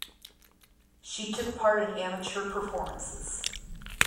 She took part in amateur performances.